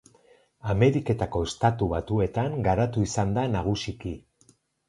Ameriketako Estatu Batuetan garatu izan da nagusiki.